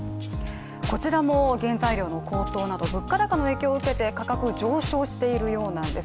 こちらも原材料の高騰など物価高の影響を受けて価格、上昇しているようなんです。